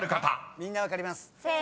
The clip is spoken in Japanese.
みんな分かります。